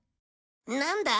なんだ？